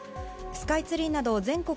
スカイツリーなど全国